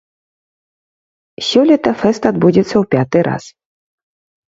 Сёлета фэст адбудзецца ў пяты раз.